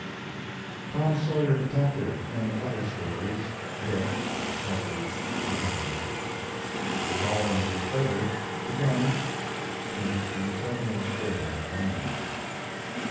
TOM SAWYER, DETECTIVE, and other stories book (Harpers), November. FOLLOWING THE EQUATOR begun (23 Tedworth Square, London).